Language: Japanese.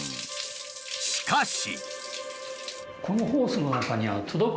しかし。